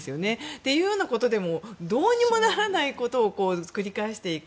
っていうことでどうにもならないことを繰り返していく。